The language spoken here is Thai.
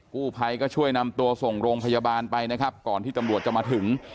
กู้ภัยก็ช่วยนำตัวส่งโรงพยาบาลไปนะครับก่อนที่ตำรวจจะมาถึง